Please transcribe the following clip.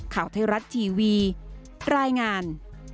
ข่าวไทยรัฐทีวีรายงาน